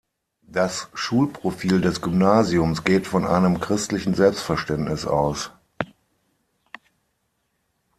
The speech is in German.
Das Schulprofil des Gymnasiums geht von einem christlichen Selbstverständnis aus.